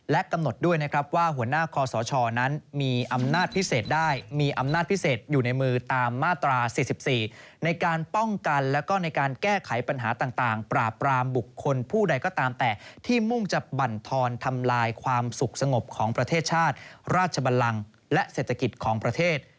และกำหนดด้วยนะครับว่าหัวหน้าคอสชนั้นมีอำนาจพิเศษได้มีอำนาจพิเศษอยู่ในมือตามมาตรา๔๔ในการป้องกันแล้วก็ในการแก้ไขปัญหาต่างปราบปรามบุคคลผู้ใดก็ตามแต่ที่มุ่งจะบรรทอนทำลายความสุขสงบของประเทศชาติราชบันลังและเศรษฐกิจของประเทศ